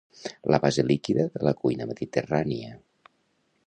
La base líquida de la cuina mediterrània.